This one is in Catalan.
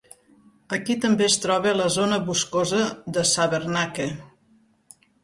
Aquí també es troba la zona boscosa de Savernake.